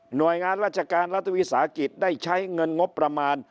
โดยงานราชการรัฐวิสาหกิจได้ใช้เงินงบประมาณ